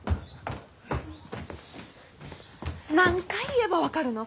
何回言えば分かるの？